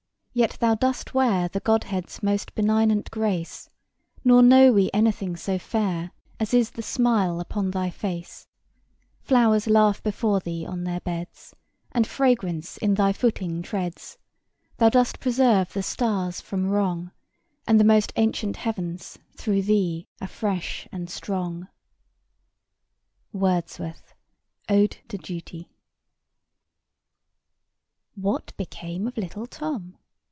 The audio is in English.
yet thou dost wear The Godhead's most benignant grace; Nor know we anything so fair As is the smile upon thy face: Flowers laugh before thee on their beds And fragrance in thy footing treads; Thou dost preserve the stars from wrong; And the most ancient heavens, through Thee, are fresh and strong." WORDSWORTH, Ode to Duty. [Picture: Dog and cat] BUT what became of little Tom?